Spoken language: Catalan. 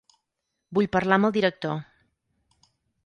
Vull parlar amb el director.